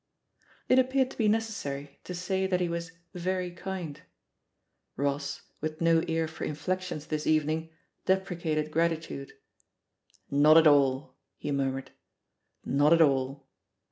It appeared to be necessary to say that he was "very kind." Ross, with no ear for inflections this evening, deprecated gratitude. "Not at all," he murmured, "not at all!"